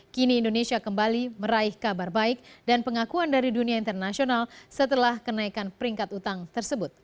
kini indonesia kembali meraih kabar baik dan pengakuan dari dunia internasional setelah kenaikan peringkat utang tersebut